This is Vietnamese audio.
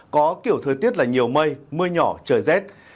có kiểu thời tiết là nhiều mây mưa nhỏ trời rét